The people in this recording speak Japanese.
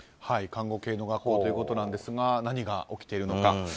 看護系の学校ということですが何が起きているのか。